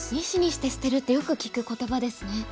「２子にして捨てる」ってよく聞く言葉ですね。